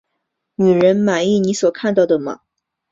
女人，满意你所看到的吗？